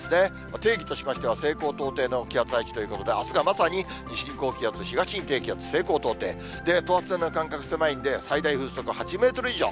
定義としましては、西高東低の気圧配置ということで、あすがまさに、西に高気圧、東に低気圧、西高東低、等圧線の間隔が狭いんで、最大風速８メートル以上。